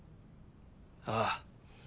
ああ。